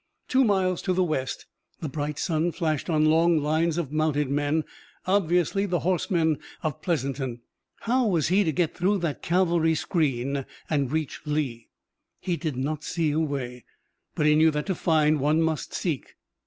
Two miles to the west the bright sun flashed on long lines of mounted men, obviously the horsemen of Pleasanton. How was he to get through that cavalry screen and reach Lee? He did not see a way, but he knew that to find, one must seek.